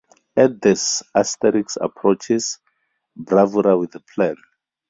At this, Asterix approaches Bravura with a plan.